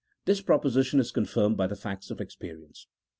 This proposition is confirmed by the facts of experience.